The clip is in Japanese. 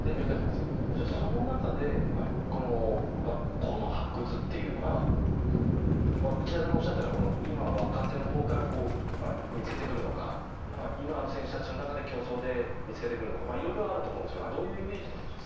その中で個の発掘というのは内田さんがおっしゃったような今の若手のほうから見つけてくるのか今ある選手の中で競争で見つけてくるのかいろいろあると思いますがどういうイメージですか？